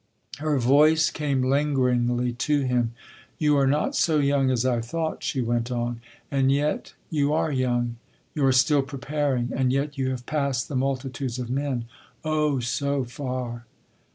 Her voice came lingeringly to him. "You are not so young as I thought," she went on. "And yet you are young. You are still preparing, and yet you have passed the multitudes of men—oh, so far."